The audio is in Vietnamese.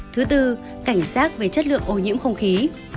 thứ bốn cảnh sát về chất lượng ô nhiễm không khí